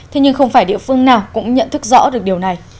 thế nhưng không phải địa phương nào cũng nhận thức rõ được điều này